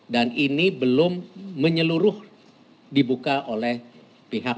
dan ini belum menyeluruh dibuka oleh pihak